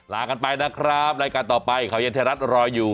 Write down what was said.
ลากันไปนะครับรายการต่อไปข่าวเย็นไทยรัฐรออยู่